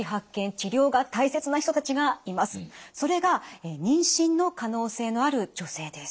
それが妊娠の可能性のある女性です。